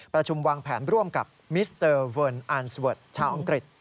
ประชุมวางแผนร่วมกับมิสเตอร์เวิร์นอันสเวิร์ดชาวอังกฤษ